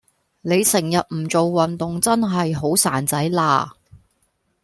你成日唔做運動真係好孱仔啦